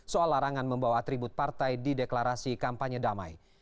soal larangan membawa atribut partai di deklarasi kampanye damai